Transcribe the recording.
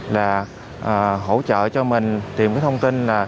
là hỗ trợ cho mình tìm thông tin